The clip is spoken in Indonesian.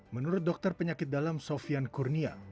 menurut dokter penyakit dalam sofian kurnia